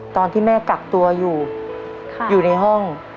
ตอนที่แม่กักตัวอยู่อยู่ในห้อง